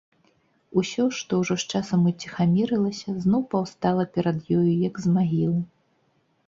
Усё, што ўжо з часам уціхамірылася, зноў паўстала перад ёю, як з магілы.